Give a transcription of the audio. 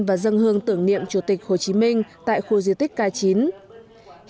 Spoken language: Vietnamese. và dân hương tưởng niệm chủ tịch hồ chí minh tại khu di tích k chín